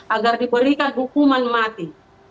agar diberikan hukuman mati